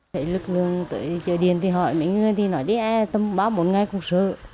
thấy lực lượng tới chợ điện thì hỏi mấy người thì nói đi tâm báo bốn ngày cũng sợ